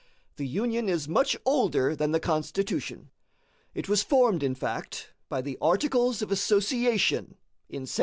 The Union is much older than the Constitution. It was formed, in fact, by the Articles of Association in 1774.